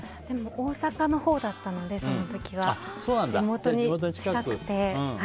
大阪のほうだったのでその時は地元に近くて。